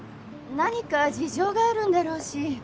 何か事情があるんだろうし。